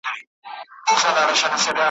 که سهار وو که ماښام جګړه توده وه `